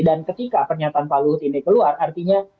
dan ketika pernyataan pak luhut ini keluar artinya